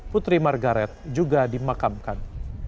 putri margaret juga dimakamkan